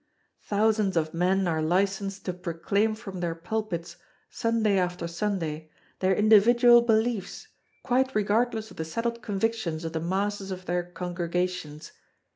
Thousands of men are licensed to proclaim from their pulpits, Sunday after Sunday, their individual beliefs, quite regardless of the settled convictions of the masses of their congregations.